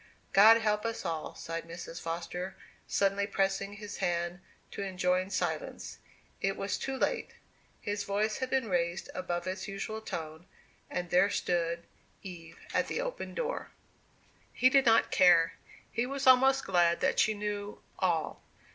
"God help us all!" sighed Mrs. Foster, suddenly pressing his hand to enjoin silence. It was too late. His voice had been raised above its usual tone; and there stood Eve at the open door. He did not care he was almost glad that she knew all.